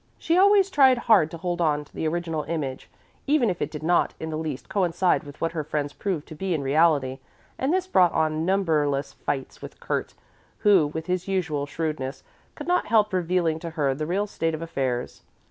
She always tried hard to hold on to the original image, even if it did not in the least coincide with what her friends proved to be in reality and this brought on numberless fights with Kurt, who, with his usual shrewdness, could not help revealing to her the real state of affairs.